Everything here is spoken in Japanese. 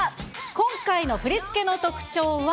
今回の振り付けの特徴は。